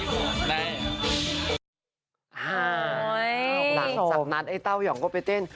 หลังจากนั้นไอ้เต้ายองก็ไปเต้น